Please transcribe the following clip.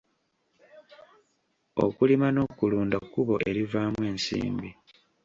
Okulima n'okulunda kkubo erivaamu ensimbi.